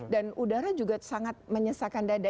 dan udara juga sangat menyesakan dada